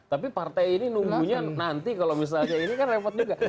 tapi partai ini nunggunya nanti kalau misalnya ini kan repot juga